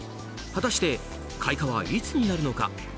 果たして、開花はいつになるのか。